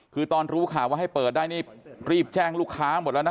คือตอนรู้ข่าวว่าให้เปิดได้นี่รีบแจ้งลูกค้าหมดแล้วนะ